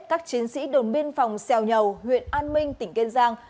các chiến sĩ đồn biên phòng xèo nhầu huyện an minh tỉnh kiên giang